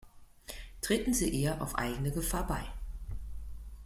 Treten Sie ihr auf eigene Gefahr bei.